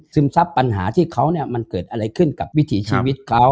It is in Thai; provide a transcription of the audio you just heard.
ซับปัญหาที่เขาเนี่ยมันเกิดอะไรขึ้นกับวิถีชีวิตเขา